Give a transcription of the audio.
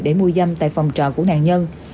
để mua dâm tại phòng trọ của nạn nhân